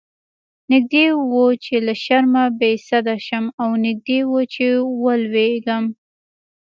نږدې و چې له شرمه بې سده شم او نږدې و چې ولويږم.